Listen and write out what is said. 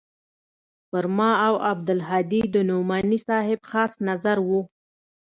پر ما او عبدالهادي د نعماني صاحب خاص نظر و.